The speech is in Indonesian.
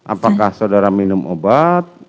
apakah saudara minum obat